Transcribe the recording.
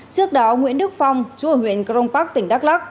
trước đó nguyễn đức phong trú ở huyện cron park tỉnh đắk lắc